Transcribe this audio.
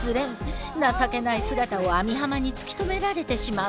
情けない姿を網浜に突き止められてしまう。